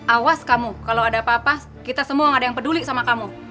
awas kamu kalau ada apa apa kita semua gak ada yang peduli sama kamu